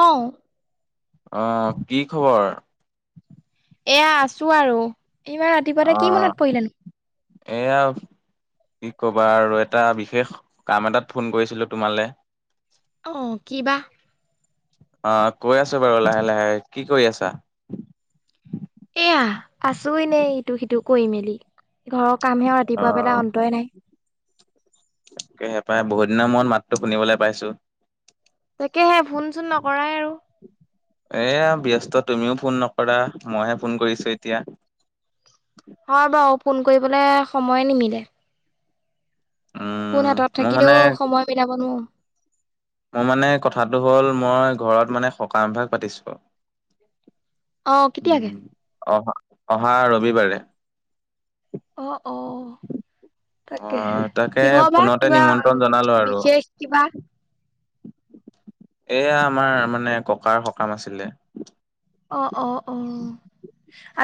অহ। আহ কি খবৰ? এয়া আছো আৰু। ইমান ৰাতিপুৱাতে কি অ', মনত পৰিলেনো? এয়া কি কবা আৰু এটা বিশেষ কাম এটাত ফোন কৰিছিলো তোমালে। অ কিবা আহ কৈ আছো বাৰু লাহে লাহে। কি কৰি আছা? এইয়া আছো এনেই ইটো সিটো কৰি মেলি। ঘৰ কাম সে অ', ৰাতিপুৱাবেলা অন্তই নাই। তাকেহে পাই বহুত দিনৰ মূৰত মাতটো শুনিবলে পাইছো। তাকেহে ফোন চোন নকৰাই আৰু। এইয়া ব্যস্ত তুমিও ফোন নকৰা, মইহে ফোন কৰিছো এতিয়া। হয় বাও ফোন কৰিবলে সময়ে নিমিলে। ফোন উম, হাতত মোৰ মানে থাকিলেও সময় মিলাব নোৱাওঁ। মোৰ মানে কথাটো হ'ল, মই ঘৰত মানে সকামভাগ পাতিছোঁ। অ উ কেতিয়াকে অহা অহা ৰবিবাৰে। অহ। [inaudible] আহ তাকে কিহৰ বা ফোনতে কিবা নিমন্ত্ৰণ জনালো আৰু। বিশেষ কিবা এয়া আমাৰ মানে ককাৰ সকাম আছিলে। অ অ অ।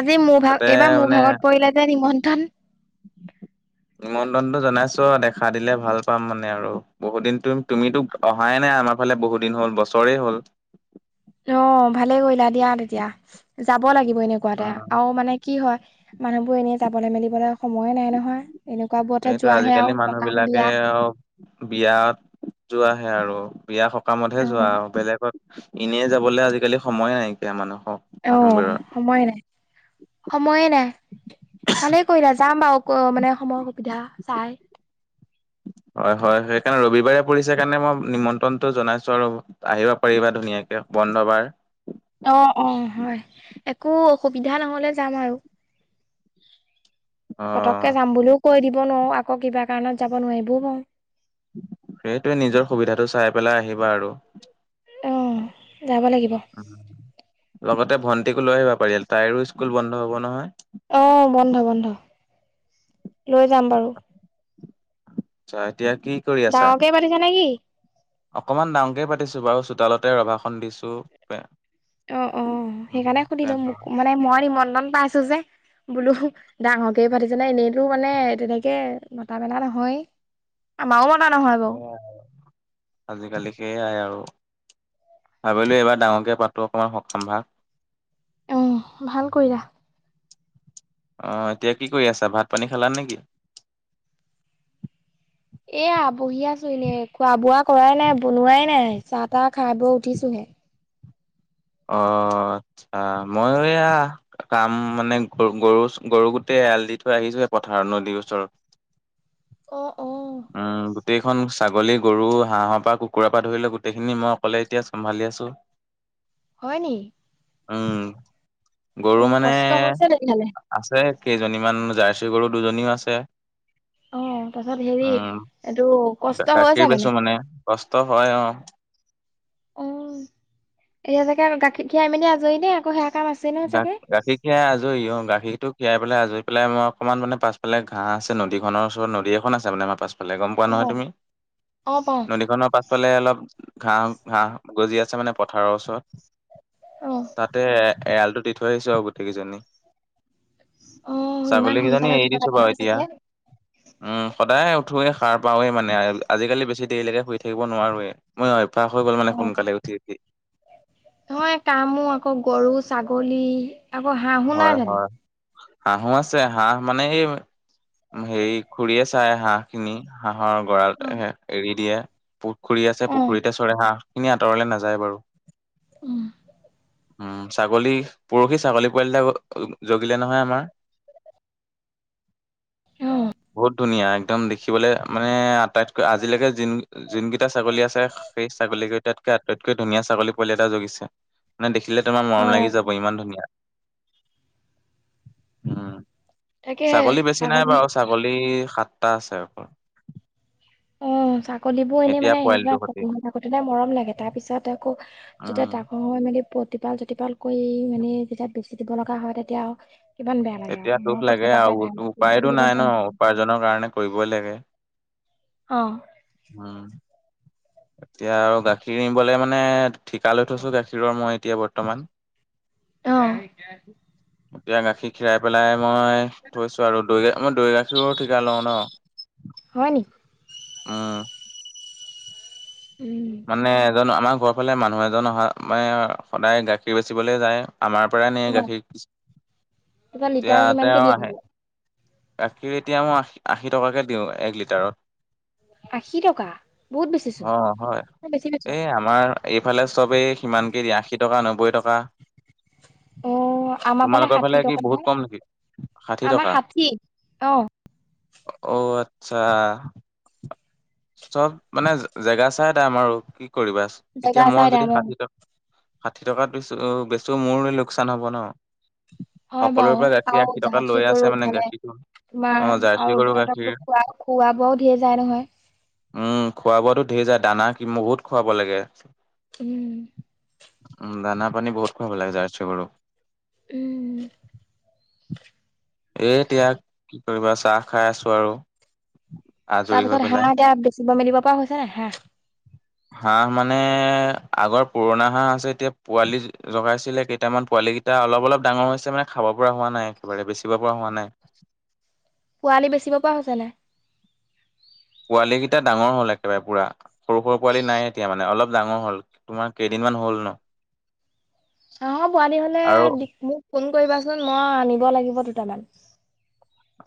আজি মোৰ তাতে ভাগ এইবাৰ মোৰ মানে ভাগত পৰিলে যে নিমন্ত্ৰন। নিমন্ত্ৰণটো জনাইছো। দেখা দিলে ভাল পাম। মানে আৰু বহুত দিন তুম তুমিতো অহাই নাই আমাৰ ফালে। বহুত দিন হ'ল, বছৰেই হ'ল। অ, ভালেই কৰিলা দিয়া তেতিয়া। যাব লাগিব এনেকুৱাতে আৰু মানে কি হয় মানুহবোৰ এনেই যাবলৈ মেলিবলৈ সময়ে নাই নহয়। এনেকুৱাবোৰতে এইটোৱে যোৱাহে আৰু আজিকালি মানুহ সকাম বিলাকে বিয়া অ বিয়াত যোৱা সেয়া আৰু বিয়া সকামতহে যোৱা অ', আৰু বেলেগত এনেই যাবলৈ আজিকালি সময়ে নাইকিয়া মানুহে অ সময়ে নাই, সময়ে নাই ভালেই কৰিলা যাম বাও। অ মানে সময় সুবিধা চাই। [inaudible] হয় হয় সেইকাৰণে ৰবিবাৰে পৰিছে কাৰণে মই নিমন্ত্ৰণটো জনাইছো আৰু, আহিবা পাৰিবা ধুনীয়াকে। বন্ধ বাৰ। অ অ হয় একো অসুবিধা নহলে যাম আৰু। [inaudible] পতককে যাম বুলিও কৈ দিব নোৱাৰো। আকৌ কিবা কাৰণত যাব নোৱাৰিবও পাওঁ। সেইটোৱে নিজৰ সুবিধাটো চাই পেলাই আহিবা আৰু। অ যাব লাগিব। লগতে ভণ্টিকো লৈ আহিবা পাৰিলে তাইৰো স্কুল বন্ধ হ'ব নহয়। অ', বন্ধ বন্ধ লৈ যাম বাৰু। আ এতিয়া কি কৰি আছা? ডাঙৰকে পাতিছা নেকি? অকমান ডাঙৰকে পাতিছো। বাৰু চোতালতে ৰভা খন দিছো, প্ৰে অ অ সেইকাৰণে সুধিলো মোক মানে মই নিমন্ত্ৰণ পাইছো যে। বোলো ডাঙৰকে পাতিছানে এনেইতো মানে তেনেকে মতা মেলা নহয়। আমাওঁ সেয়াই আজিকালি সেইয়াই আৰু। ভাবিলো এইবাৰ ডাঙৰকে পাতো অকমান সকাম ভাগ। অঁ ভাল কৰিলা। অহ, এতিয়া কি কৰি আছা? ভাত পানী খালা নে কি? এয়া বহি আছো এনেই। খোৱা-বোৱা কৰাই নাই। বনোৱাই নাই। চাহ-তাহ খাই বই উঠিছোহে। অ, আচ্ছা। মইও এইয়া কাম মানে গ-গৰু-গৰু গোটেই এৰাল দি থৈ আহিছোহে পথাৰত, নদী ওচৰত। অ', অ', ও। গোটেইখন ছাগলী, গৰু, হাঁহৰ পৰা কুকুৰাৰ পৰা ধৰি ল গোটেইখিনি মই অকলে এতিয়া চম্ভালি আছো। [inaudible] হয় নি? উম, গৰু অ', মানে কষ্ট হৈছে তেতিয়াহ'লে আছে। কেইজনীমান জাৰ্চী গৰু দুজনীও আছে। অ', তাৰছত হেৰি উ, এইটো কষ্ট হৈছে গাখীৰ বেছো মানে কছ ত হয় অ। অ, এতিয়া ছাগে আৰু গাখীৰ খীৰাই মেলি আজৰি দে, আকৌ সেয়া কাম আছে নহয় চাগে? গা-গাখীৰ খীৰাই আজৰি অ গাখীৰটো খীয়াই পেলাই আজৰি পেলাই মই অকমান মানে পাছফালে ঘাঁহ আছে নদীখনৰ ওচৰত। নদী এখন আছে মানে আমাৰ পাছ ফালে। গম পোৱা নহয় অ', তুমি? অ', পাওঁ। নদীখনৰ পাছ পিছফালে অলপ ঘাঁহ-ঘাঁহ গজি আছে মানে পথাৰৰ ওচৰত। অ'। তাতে এ এৰালটো দি থৈ আহিছো আৰু গোটেইকেইজনী। অ ইমান ছাগলীকেইজনী সোনকালে এৰি উঠিব দিছো লাগে বাৰু নহয় এতিয়া। চাগে উ, সদায় উঠোৱে, সাৰ পাওৱে মানে। আজিকালি বেছি দেৰিলেকে হৈ থাকিব নোৱাৰোৱে [unintelligible] মানে অ সোনকালে উঠি উঠি। নহয় কামো আকৌ গৰুজ- ছাগলী আকৌ হাঁহো নাই হয় জানো। হয় হাঁহো আছে হাঁহ মানে এই হেৰি খুৰি চায় হাঁহ খিনি হাঁহ হাঁহৰ, গঁৰাল অ এৰি দিয়ে পুখুৰী আছে। অ পুখুৰীতে চৰে হাঁহ। এইখিনি আঁতৰলে নাযায় বাৰু। উহঁ। উম ছাগলী, পুৰহি ছাগলী। জগিলে নহয়। আমাৰ অ বহুত। ধুনীয়া একদম দেখিবলৈ মানে আটাইতকৈ আজিলৈকে য যোনকেইটা ছাগলী আছে, সেই ছাগলী [unintelligible] আটাইতকৈ ধুনীয়া ছাগলী পোৱালি এটা জগিছে। মানে দেখি দেখিলে তোমাৰ অ মৰম লাগি যাব ইমান ধুনীয়া। উম। তাকেহে ছাগলী বেছি নাই ছাগলী বাৰু। ছাগলী সাতটা আছে অকল। অ থাক ছাগলীবোৰ এনেই এতিয়া মানে পোৱালিটোৰ সতি [unintelligible] মৰম লাগে। তাৰপিছত আকৌ যেতিয়া উম ডাঙৰ হৈ মেলি প জুতিপাল জুতিপাল কৰি মানে যেতিয়া বেচি দিব লগা হয় তেতিয়া আৰু কিমান বেয়া লাগে তেতিয়া দুখ লাগে উপায়তো নাই ন আৰু [unintelligible] অ উ, এতিয়া আৰু গাখীৰ নিবলে মানে ঠিকা লৈ থৈছোঁ গাখীৰৰ মই এতিয়া বৰ্তমান। অ। এতিয়া গাখীৰ খীৰাই পেলাই মই থৈছো আৰু দৈ গা মই দৈ গাখীৰো ঠিকা লওঁ ন। হয় নি? উম। উম মানে এজন আমাৰ ঘৰৰ ফালে মানুহ এজন অহা মানে সদায় গাখীৰ বেচিবলৈ যায়। আমাৰ পৰাই নে অ গাখীৰ কি তোমাৰ লিটাৰ এতিয়া কিমানকে তেওঁ দিয়া আহে। নো? গাখীৰ এতিয়া মইশী আশী টকাকে দিওঁ এক লিটাৰত। আশী টকা বহুত বেছিচোন। বেছি পাইছো এ আমাৰ এইফালে চবেই সিমানকেইৰি আশী টকা, নবৈ টকা। অ আমাৰ তোমালোকৰ ফালে ষাঠি কি বহুত টকাহে কম নেকি ষাঠি আমাৰ টকা। ষাঠি অ অ আচ্ছা চব মানে জেগা চাই টামা আৰু কি কৰিবাচ এতিয়া জেগা মই চাই যদি দাম অ ষাঠি ষাঠি টকাত পছো বেছ চ' মোৰ লোকচান হ'ব ন। হয় সকলো বাৰু পৰা গাখীৰ আৰু আশী টকা জাহাজ লৈ কৰি আছে মানে ইফালে গাখীৰটো। অ তোমাৰ জাৰ্চি আৰু গৰু দু [unintelligible] গাখীৰ। খোৱা বোৱাও ধেৰ যায় নহয়। উম খোৱা বোৱাটো ঢেৰ যায়, দানা কি বহুত খোৱাব লাগে। উম। উম, দানা পানী বহুত খুৱাব লাগে জাৰ্চী গৰুক। উম। এ এতিয়া, কি কৰিবা চাহ খাই আছো আৰু। আজৰি হৈ তাৰপিছত পেলাই। হাঁহ এতিয়া বেচিব মেলিব পৰা হৈছে নে হাঁহ? হাঁহ মানে আগৰ পুৰণা হাঁহ আছে এতিয়া পোৱালি জগাইছিলে কেইটামান পোৱালি পোৱালিকেইটা অলপ অলপ ডাঙৰ হৈছে মানে খাব পৰা হোৱা নাই একেবাৰে বেচিব পৰা হোৱা নাই। পোৱালি বেচিব পৰা হৈছেনে? পোৱালি কেইটা ডাঙৰ হ'ল একেবাৰে পুৰা সৰু সৰু পোৱালি নাই এতিয়া মান অলপ ডাঙৰ হল তোমাৰ কেইদিনমান হ বল ন। হাঁহ পোৱালি হলে আৰু মোক ফোন কৰিবাচোন মই আনিব লাগিব দুটামান।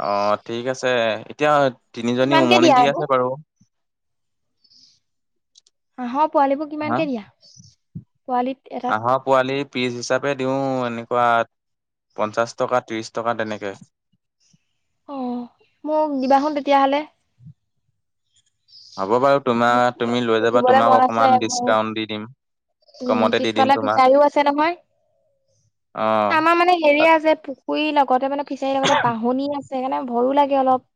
অ ঠিক আছে এতিয়া তিনিজনী কিমানকে উমনি দিয়া দি আকৌ আছে বাৰু। হাঁহ পোৱালীবোৰ হা কিমানকে দিয়া, পোৱালী এটাত? হাঁহৰ পোৱালি পিচ হিচাপে দিওঁ এনেকুৱা পঞ্চাছ টকাত, ত্ৰিশ টকাত, তেনেকে। অ মোক দিবা হেন তেতিয়াহলে হ'ব বাৰু তোমাৰ মোক তুমি লৈ যাবা পুহিবলে তোমাক মন আছে অকমান মোৰ ডিচকাউন্ট দি দিম। উম কমতে দি দিম পিছফালে তোমাক ফিচাৰীও আছে নহয়? আমাৰ মানে অ' হেৰি আছে পুখুৰীৰ লগতে মানে ফিচাৰীৰ লগতে বাহনি আছে সেইকাৰণে। ভয়ো লাগে অলপ।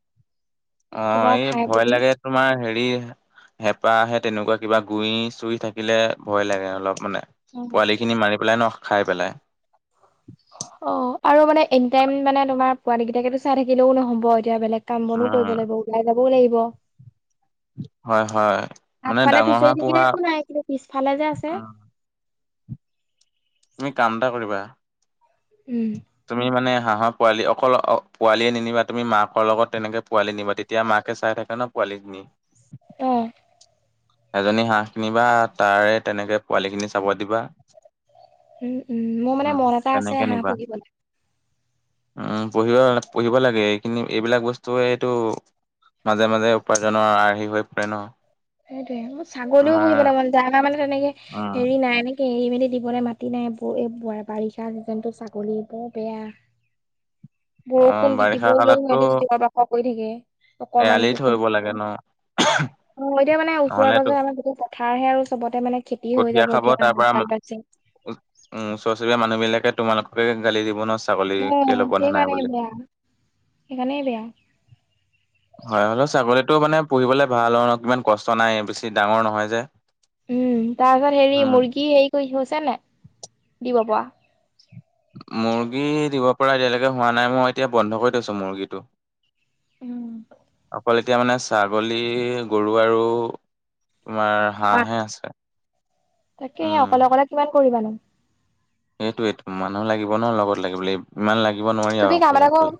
অ কিবা এই খাই ভয় বুলি লাগে তোমাৰ হেৰি হেঁপাহে তেনেকুৱা কিবা গুৰি চুই থাকিলে ভয় লাগে অলপ মানে পোৱালিখিনি মাৰি পেলাই ন? খাই পেলাই। অ আৰু মানে এনি টাইম মানে তোমাৰ পোৱানী কেইটাকেতো চাই থাকিলেও নহব এতিয়া বেলেগ কাম বনো কৰিব উম লাগিব ওলাই যাবও লাগিব। হয় হয় মানে আগফালে ডাঙৰ হাঁহ পিছৰি থিকনে পোহা একো নাই কিন্তু পিছফালে যে আছে। উম তুমি কাম এটা কৰিবা? উম। তুমি মানে হাঁহৰ পোৱালি অকল পোৱালিয়ে নিনিবা, তুমি মাকৰ লগত তেনেকে পোৱালি নিবা তেতিয়া মাক তাকে চাই থাকে ন পোৱালীজনী? অ। এজনী হাঁহ কিনিবা তাৰে তেনেকে পোৱালিখিনি চাব দিবা। উম উম মোৰ মানে উম মন এটা আছে তেনেকে হাঁহ নিবা পুহিবলৈ। উম পঢ়িব পঢ়িব লাগে এইখিনি এইবিলাক বস্তুৱে এইটো মাজে মাজে উপাৰ্জনৰ আৰ্হি হৈ পৰে ন। সেইটোৱে মোৰ ছাগলীও বহি তোমাৰ পেলাই তাৰ মানে যেনেকে মানে তেনেকে উম, হেৰি নাই এ এৰি মেলি দিবলৈ মাতি নাই এই বাৰিষা চিজনটো ছাগলী বৰ বেয়া। অ বৰষুণ তিতিব বাৰিষা লৈও কালততো সিহঁতে চিঞৰ-বাখৰ কৰি থাকে। অকমান এৰালি বষুণ থৰিব লাগে ন [unintelligible] এতিয়া মানে ওচৰে পাজৰে আমাৰ পথাৰ হে চবতে মানে। খেতি হৈ কঠিয়া যাব খাব এতিয়া তাৰ ধান পৰা উ উম চান পাইছে ওচৰ চুবুৰীয়া মানুহ বিলাকে তোমালোককে গালি দিব নচ- ছাগলী অ কেলে বন্ধা নাই সেইকাৰণে বুলি। বেয়া সেইকাৰণেই বেয়া টো মানে পঢ়িবলে ভাল হ ন কিমান কষ্ট নাই বেছি ডাঙৰ নহয়। যে উম তাৰ গাত হেৰি উম, মুৰ্গী হেৰি কৰি হৈছে নাই। দিব পৰা। মুৰ্গী, দিব পৰা এতিয়ালৈকে হোৱা নাই মই এতিয়া বন্ধ কৰি দিছো মুৰ্গীটো- উম অকল এতিয়া মানে ছাগলী, গৰু, আৰু- তোমাৰ হাঁহ হাঁহহে আছে- তাকে অকলে অকলে কিমান কৰিবানো। সেইটোয়েই মানুহ লাগিব ন লগত লাগিব ইমান লাগিব নোৱাৰি আৰু তুমি কাম অকলে এটা অকলে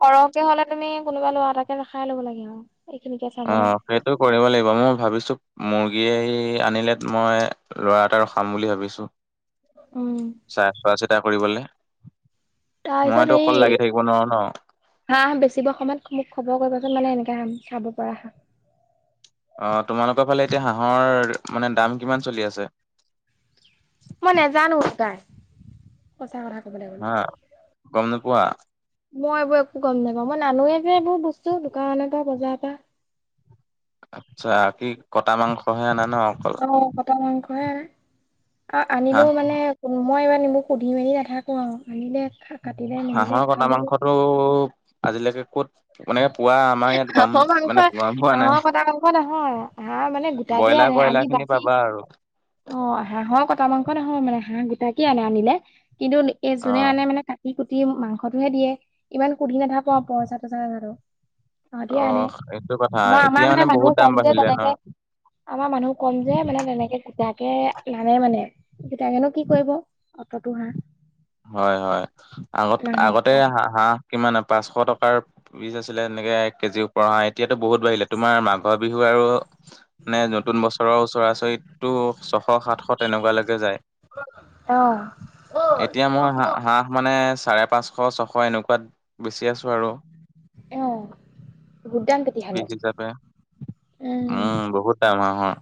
সৰহকে হলে তুমি কোনোবা লৰা এটাকে ৰখাই ল'ব লাগিৰ আৰু- এইখিনিকে অ চাবলে সেইটো কৰিব লাগিব মই ভাবিছো। মোৰ ইয়ে আনিলে মই ল'ৰা এটটা ৰখাম বুলি ভাবিছোঁ। ওম কিবা কৰিবলৈ। তাৰ পিছত সেৰি- হাঁহ, বেচিবৰ সময়ত মোক খবৰ কৰিবাচোন মানে এনেকে হ চাব পৰা হাঁহ, - আ তোমালোকৰ ফালে এতিয়া হাঁহৰ, মানে দাম কিমান চলি আছে। মই নোজানো উদাই সঁচা কথা ক'বলৈ হা গলে। গম নোপোৱা। মই এইবোৰ একো গম নাপাওঁ মই নানোৱেই যে এইবোৰ বস্তু দোকানৰ পৰা বজাৰৰ পৰা। আচ্ছা কি কটা মাংসহে আনা। ন অকল অ কটা মাংসহে অ আনিলেও হাঁহ মানে মই এইবাৰ- মোক সুধি মেলি নাথাকো আৰু আমি দে হাঁহৰ কটা মাংসটোও আজিলৈকে ক'ত- মনেকে পুৱোৱা আমাৰ ইয়াত গম হাঁহৰ মাংস মানে গৰম পোৱা নাই হাঁহৰ কটা মাংস নহয় হাঁহ মানে গোটাকে ব্ৰইলাত- আনে কয়লা, আনি খিনি বাচি পাবা। আৰু অ হাঁহৰ কটা মাংস নহয় মানে হাঁহ গোটেই আনে আনিলে কিন্তু এই অ যোনে আনে মানে সি কুটি মাংসটোহে দিয়ে ইমান সুধি নাথাকো আও পইচা টইচা কথাটো অ সেইটো কথা মই আমাৰ এতিয়া মানে মানুহ বহুত দাম কম যে বাঢ়িলে ন তেনেকে আমাৰ মানুহক ক'ম যে মানে তেনেকে কুটাকে নানে মানে তেতিয়াকেনো কি কৰিব অত টো হা হয় হয় আগত আগতে দুটা হাঁহ হাঁহ কিমান পাঁচশ টকাৰ পিচ আছিলে এনেকৈ এক কেজিও পৰা এতিয়াতো বহুত বাঢ়িলে তোমাৰ মাঘৰ, বিহু আৰু- নে নতুন বছৰৰ ওচৰাচৰিটো চ- সাতশ তেনেকুৱালৈকে যায়। অহ মোৰ হাঁহ, অহ হাঁহ মানে চাৰে পাঁচশ ছশ এনেকুৱাত বেচি আছো। আৰু ও ভূট দাম পিচ তেতিয়াহলে- হিচাপে। উম বহুত টাইম হাঁহৰ-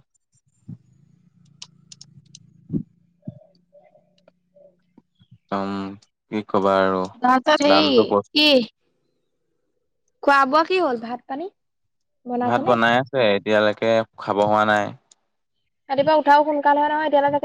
[inaudible] [inaudible] ওম কি কবা আৰু তাৰপিছত হেৰি দামটো ব- কি খোৱা বোৱা কি হ'ল ভাত, পানী- ভাত বনাইছে নে বনাই আছে এতিয়ালৈকে খাব হোৱা নাই। ৰাতিপুৱ উঠাও সোনকাল হয়। নহয় এতিয়ৈকে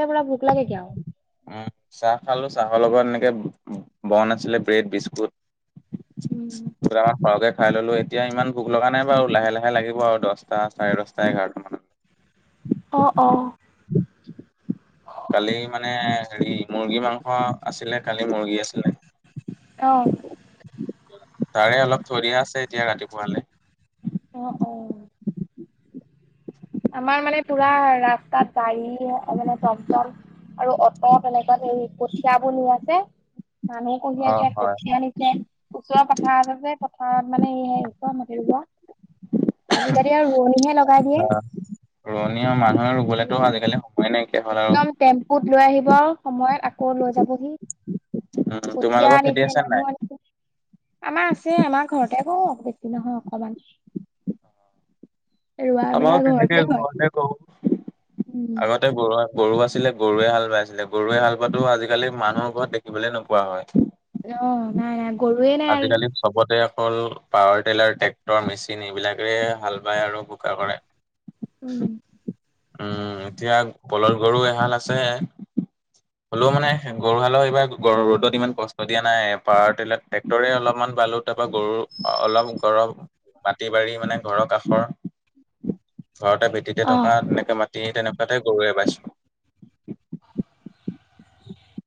উম চাহ খালো চাহৰ লগত এনেকে- বন আছিলে ব্ৰেড, বিস্কুট উম পোৰা সৰহকে খাই ললো এতিয়া ইমান ভোক লগা নাই বাৰু, লাহে লাহে লাগিব আৰু দছটা, চাৰে দছটা, এঘাৰটা মানত। [inaudible] অ, অ। কালি মানে হেৰি মুৰ্গী মাংস আছিলে, কালি মুৰ্গী আছিলে। অ। তাৰে অলপ থৈ দিয়া আছে এতিয়া ৰাতিপুৱালে। অঁ অ অ অ। আমাৰ মানে পুৰা ৰাস্তাত গাড়ী মানে টম টম আৰু অ'ত এনেকুৱাত হেৰি কঠিয়াবোৰ নি আছে। মানুহ অ', কঢ়িয়াইছে, হয় কঠীয়া আনিছে, ওচৰৰ পথাৰ আছে যে আমাৰ মানে [unintelligible] মাটি ৰুব। আজিকালি আৰু ৰোৱনীহে লগাই দিয়ে। ৰোৱনী মানুহে ৰুবলেতো উম আজি-কালি সময়ে নাইকিয়া হ'ল একদম টেম্পুত আৰু। [unintelligible] সময়ত আকৌ লৈ যাবহি। উম, কঠিয়া তোমালোকৰ খেতি আনিছে, আছে মানুহ নাই? আনিছে। আমাৰ আছেই আমাৰ ঘৰত টেগ বেছি নহয় অকমান, ৰোৱা বেলা আমাৰো ঘৰত তেনেকে ঘৰতে কৰো। আগতে গৰু আছি গৰু আছিলে গৰুৱে হাল বাই আছিলে, গৰুৱে হাল বোৱাতো আজিকালি মানুহৰ ঘৰত দেখিবলে নোপোৱা হয়। অ নাই, নাই গৰুৱে নাই আৰ আজিকালি চবতে অকল পাৱাৰ টেইলৰ ট্ৰেক্টৰ মেচিন এইবিলাকেৰে হাল বায় আৰু বোকা কৰে। উম। উম উ এতিয়া বলধ গৰু এখান আছে। চি হ'লেও মানে গৰুহালও এইবাৰ গৰ ৰ'দত ইমান কষ্ট দিয়া নাই, পাৱাৰ টেইলৰ ট্ৰেকটৰে অলপমান বালো তাৰপা গৰু অলপ গৰম মাটি-বাৰী মানে ঘৰৰ কাষৰ ঘৰতে ভেটিতে অ থকা তেনেকে মাটি তেনেকুৱাতে গৰুৱে বাইছো।